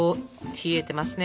冷えてますね。